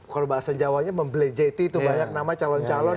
kalau bahasa jawanya membelejeti tuh banyak nama calon calon